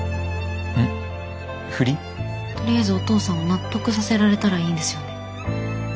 とりあえずお父さんを納得させられたらいいんですよね。